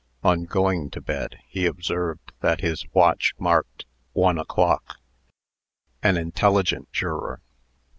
On going to bed, he observed that his watch marked one o'clock. An intelligent juror.